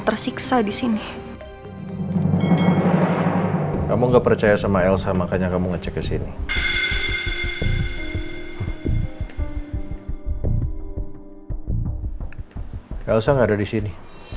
tersiksa di sini kamu nggak percaya sama elsa makanya kamu ngecek kesini gak usah di sini